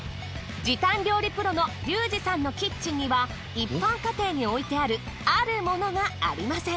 時短料理プロのリュウジさんのキッチンには一般家庭に置いてあるあるものがありません。